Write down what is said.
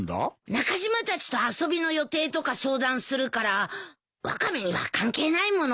中島たちと遊びの予定とか相談するからワカメには関係ないもの。